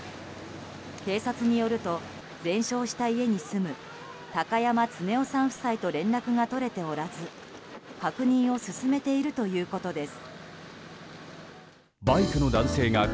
警察によると、全焼した家に住む高山恒夫さん夫妻と連絡が取れておらず確認を進めているということです。